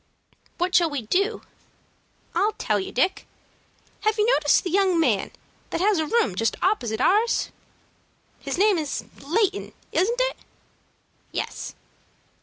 "What shall we do?" "I'll tell you, Dick. Have you noticed the young man that has a room just opposite ours?" "His name is Layton, isn't it?" "Yes."